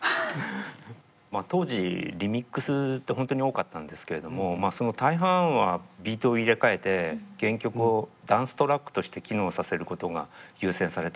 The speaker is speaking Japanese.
まあ当時リミックスって本当に多かったんですけれどもその大半はビートを入れ替えて原曲をダンストラックとして機能させることが優先されてましたよね。